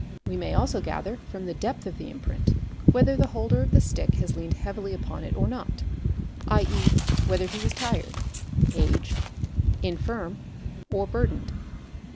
We may also gather from the depth of the im print whether the holder of the stick has leaned heavily upon it or not, 7.e., whether he was tired, aged, infirm, or burdened.